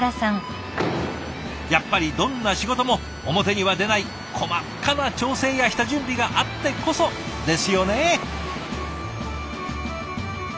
やっぱりどんな仕事も表には出ない細かな調整や下準備があってこそですよね。